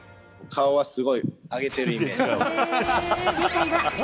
顔はすごい上げてるイメージ正解はＡ。